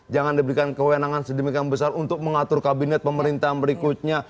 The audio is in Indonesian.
jangan diberikan kewenangan sedemikian besar untuk mengatur kabinet pemerintahan berikutnya